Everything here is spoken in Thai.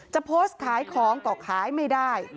จะโพสต์ขายของก็ขายไม่ได้